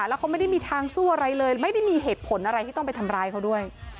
แล้วเขาไม่ได้มีทางสู้อะไรเลยไม่ได้มีเหตุผลอะไรที่ต้องไปทำร้ายเขาด้วย